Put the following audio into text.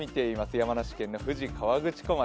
山梨県の富士河口湖町。